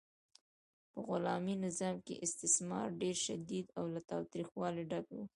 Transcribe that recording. په غلامي نظام کې استثمار ډیر شدید او له تاوتریخوالي ډک و.